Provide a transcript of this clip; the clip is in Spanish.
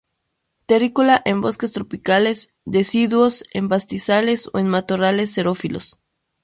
Terrícola, en bosques tropicales deciduos, en pastizales o en matorrales xerófilos.